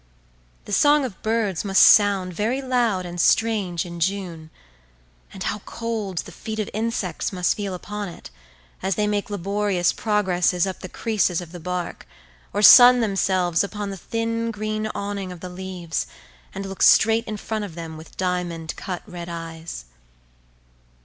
The song of birds must sound very loud and strange in June; and how cold the feet of insects must feel upon it, as they make laborious progresses up the creases of the bark, or sun themselves upon the thin green awning of the leaves, and look straight in front of them with diamond cut red eyes.